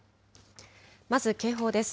まず警報です。